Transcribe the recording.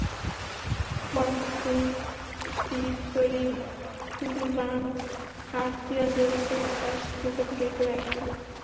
বরং তিনি তীর তৈরী, তুনীর বানানো আর তীরন্দাজিতেই তাঁর চিন্তা ফিকিরকে ব্যয় করতেন।